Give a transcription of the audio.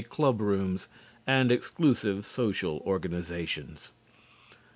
club rooms and exclusive social organizations.